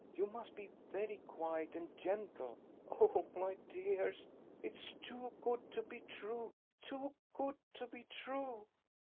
You must be very quiet and gentle. Oh, my dears, it's too good to be true, too good to be true!"